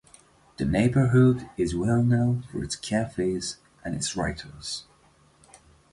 The neighborhood is well known for its cafes and its writers.